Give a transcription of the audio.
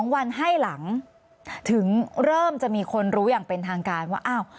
๒วันให้หลังถึงเริ่มจะมีคนรู้อย่างเป็นทางการว่าอ้าว